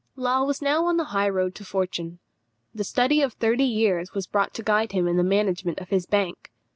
Law was now on the high road to fortune. The study of thirty years was brought to guide him in the management of his bank.